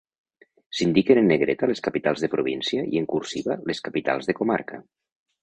S'indiquen en negreta les capitals de província i en cursiva les capitals de comarca.